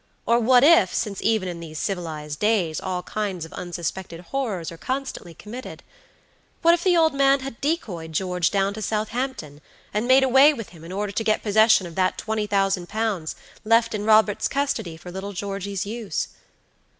Or what if, since even in these civilized days all kinds of unsuspected horrors are constantly committedwhat if the old man had decoyed George down to Southampton, and made away with him in order to get possession of that £20,000, left in Robert's custody for little Georgey's use?